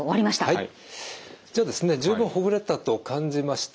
はい。